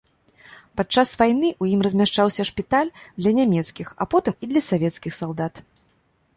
Падчас вайны ў ім размяшчаўся шпіталь для нямецкіх, а потым і для савецкіх салдат.